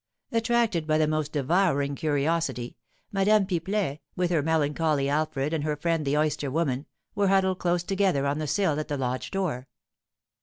Attracted by the most devouring curiosity, Madame Pipelet, with her melancholy Alfred and her friend the oyster woman, were huddled close together on the sill at the lodge door.